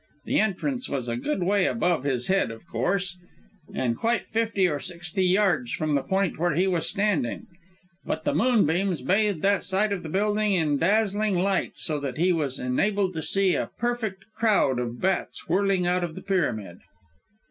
The entrance was a good way above his head, of course, and quite fifty or sixty yards from the point where he was standing, but the moonbeams bathed that side of the building in dazzling light so that he was enabled to see a perfect crowd of bats whirling out of the pyramid."